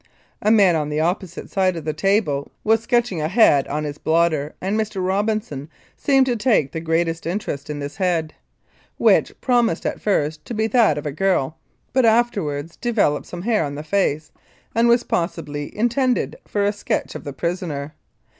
A man on the oppo site side of the table was sketching a head on his blotter, and Mr. Robinson seemed to take the greatest interest in this head, which promised at first to be that of a girl, but afterwards developed some hair on the face, and was possibly intended for a sketch of the prisoner.